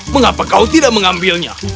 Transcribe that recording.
mengapa kau tidak mengambilnya